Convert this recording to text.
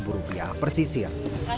pembeli pembeli tidak dapat mencari hutan